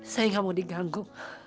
saya nggak mau diganggu